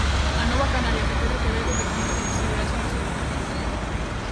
A Nova Canarias de Pedro Quevedo ve con moitas posibilidades a investidura.